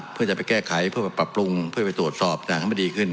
เพื่อจะไปแก้ไขเพื่อปรับปรุงเพื่อไปตรวจสอบต่างให้มันดีขึ้น